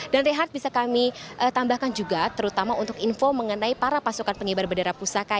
dan rehat bisa kami tambahkan juga terutama untuk info mengenai para pasukan pengibaran bendera pusaka